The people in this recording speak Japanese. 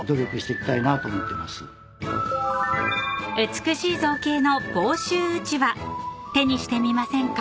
［美しい造形の房州うちわ手にしてみませんか？］